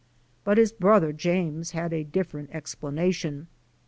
'' But his brother, James, had a different explanation.